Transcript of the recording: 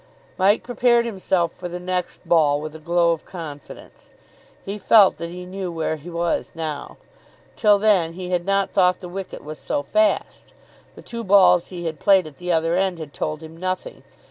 Mike prepared himself for the next ball with a glow of confidence. He felt that he knew where he was now. Till then he had not thought the wicket was so fast. The two balls he had played at the other end had told him nothing.